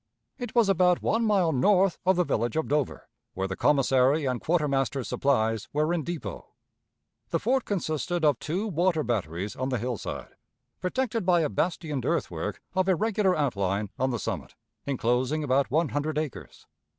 It was about one mile north of the village of Dover, where the commissary and quartermaster's supplies were in depot. The fort consisted of two water batteries on the hillside, protected by a bastioned earthwork of irregular outline on the summit, inclosing about one hundred acres.